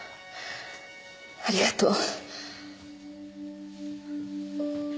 ありがとう。